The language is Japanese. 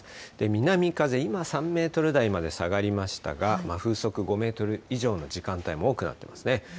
南風、今３メートル台まで下がりましたが、風速５メートル以上の時間帯も多くなっていますね。